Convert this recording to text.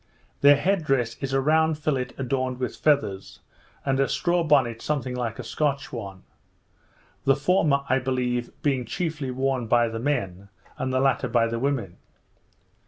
Their headdress is a round fillet adorned with feathers, and a straw bonnet something like a Scotch one; the former, I believe, being chiefly worn by the men, and the latter by the women.